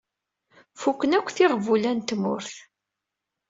Fuken akk tiɣbula n tmurt.